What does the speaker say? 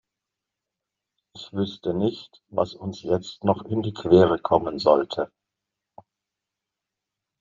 Ich wüsste nicht, was uns jetzt noch in die Quere kommen sollte.